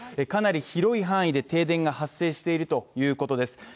かなり広い範囲で停電が発生しているということです。